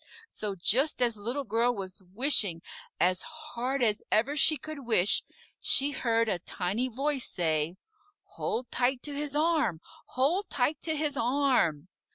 So, just as Little Girl was wishing as hard as ever she could wish, she heard a Tiny Voice say, "Hold tight to his arm! Hold tight to his arm!"